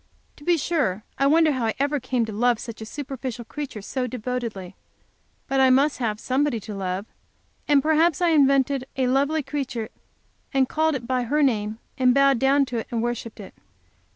To be sure I wonder how I ever came to love such a superficial character so devotedly, but I must have somebody to love, and perhaps I invented a lovely creature, and called it by her name, and bowed down to it and worshiped it.